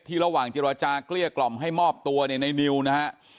ที่ระหว่างจิลจาเกลี้ยกล่อมให้มอบตัวในนิวนะฮะ